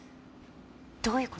どういう事？